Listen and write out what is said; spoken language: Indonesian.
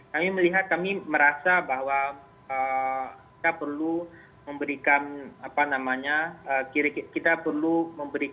kami melihat kami merasa bahwa kita perlu memberikan pandangan soal kira kira kompetensi apa yang dibutuhkan oleh kepemimpinan